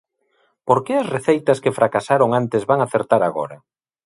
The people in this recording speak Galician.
¿Por que as receitas que fracasaron antes van acertar agora?